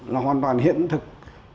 là hoàn toàn hiện thực